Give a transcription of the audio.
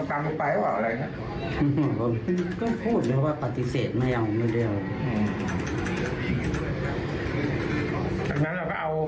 กะเอาพูดว่าปฏิเสธไม่เอาไม่ได้เอา